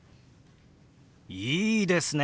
いいですね！